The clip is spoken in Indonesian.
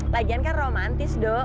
lagian kan romantis doh